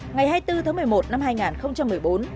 ngày hai mươi bốn tháng một mươi một năm hai nghìn một mươi bốn